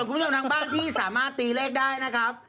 คุณผู้ชมทางบ้านที่สามารถตีเลขได้นะครับ